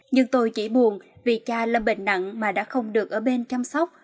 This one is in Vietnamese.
nhưng tôi chỉ buồn vì cha lâm bệnh nặng mà đã không được ở bên chăm sóc